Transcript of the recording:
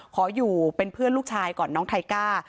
ขออยู่เป็นเพื่อนลูกชายก่อนน้องไทก้า